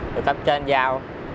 được cấp trên giao